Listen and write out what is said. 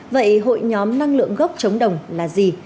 vậy hội nhóm năng lượng gốc chống đồng là gì